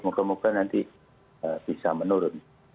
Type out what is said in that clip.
mungkin mungkin nanti bisa menurun